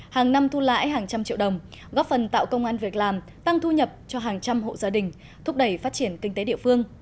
hàng năm thu lãi hàng trăm triệu đồng góp phần tạo công an việc làm tăng thu nhập cho hàng trăm hộ gia đình thúc đẩy phát triển kinh tế địa phương